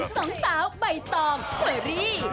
พร้อมสองสาวใบตองเฉอรี่